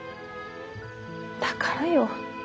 だからよ。